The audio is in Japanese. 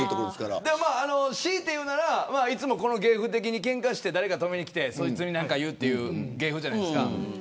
強いて言うならいつも芸風的にけんかして誰か止めに来てそいつに何か言うっていう芸風じゃないですか。